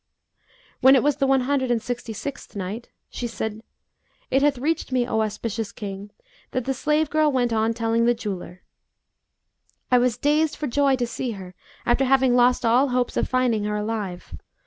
When it was the One Hundred and Sixty sixth Night, She said, It hath reached me, O auspicious King, that the slave girl went on telling the jeweller, "'I was dazed for joy to see her, after having lost all hopes of finding her alive.